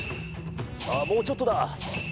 さあもうちょっとだ。